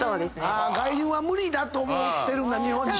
外人は無理だと思ってるんだ日本人は。